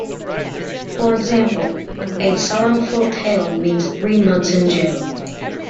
For example, a "sorrowful tale" means "three months in jail.